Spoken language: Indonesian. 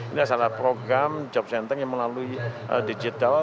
ini adalah program job center yang melalui digital